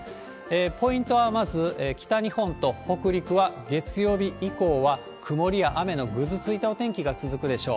ポイントはまず、北日本と北陸は、月曜日以降は曇りや雨のぐずついたお天気が続くでしょう。